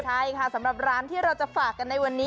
ใช่ค่ะสำหรับร้านที่เราจะฝากกันในวันนี้